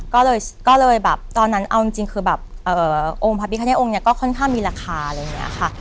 ก็เลยแบบตอนนั้นเอาจริงคือแบบองค์พระพิคเนตองค์เนี่ยก็ค่อนข้างมีราคาอะไรอย่างนี้ค่ะ